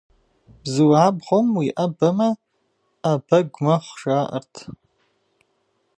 Бзу абгъуэм уиӏэбэмэ, ӏэ бэгу мэхъу, жаӏэрт.